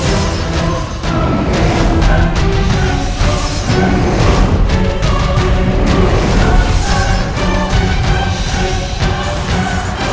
ini tenaganya kuat banget mang